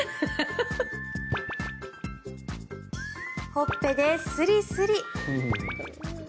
ほっぺでスリスリ。